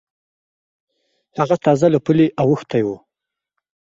هغه تازه له پولې اوختی و.